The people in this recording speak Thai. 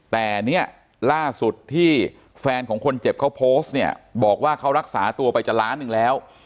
แต่เนี่ยล่าสุดที่แฟนของคนเจ็บเขาโพสต์เนี่ยบอกว่าเขารักษาตัวไปจะล้านหนึ่งแล้ว